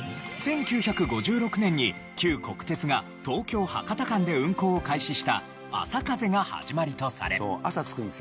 １９５６年に旧国鉄が東京博多間で運行を開始したあさかぜが始まりとされ。